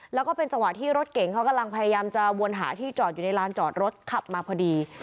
แล้วก็เป็นจังหวะที่รถเก่งเขากำลังพยายามจะวนหาที่จอดอยู่ในลานจอดรถขับมาพอดี